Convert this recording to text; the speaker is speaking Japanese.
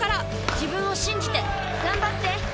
自分を信じて頑張って！